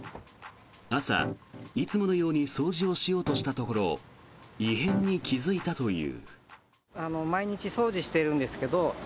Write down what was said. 朝、いつものように掃除をしようとしたところ異変に気付いたという。